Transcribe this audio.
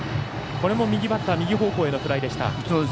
これも右バッター、右方向へのフライでした。